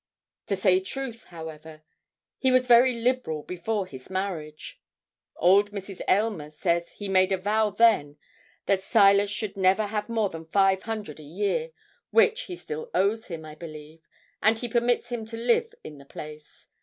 To say truth, however, he was very liberal before his marriage. Old Mrs. Aylmer says he made a vow then that Silas should never have more than five hundred a year, which he still allows him, I believe, and he permits him to live in the place.